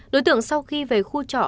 đối tượng sau khi về khu trọ